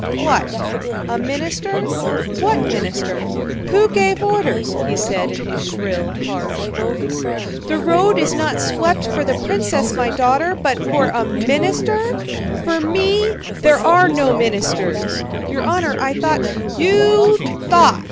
"What? A minister? What minister? Who gave orders?" he said in his shrill, harsh voice. "The road is not swept for the princess my daughter, but for a minister! For me, there are no ministers!" "Your honor, I thought..." "You thought!"